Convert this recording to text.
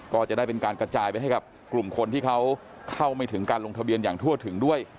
ก็จะได้เป็นการกระจายไปให้กับกลุ่มคนที่เขาเข้าไม่ถึงการลงทะเบียนอย่างทั่วถึงด้วย